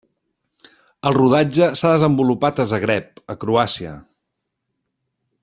El rodatge s'ha desenvolupat a Zagreb a Croàcia.